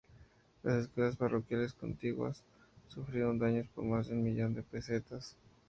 Las escuelas parroquiales contiguas sufrieron daños por más de un millón de pesetas.